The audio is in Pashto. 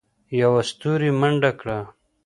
یوه ستوري منډه کړه.